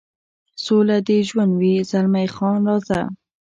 سوله دې ژوندی وي، زلمی خان: راځه.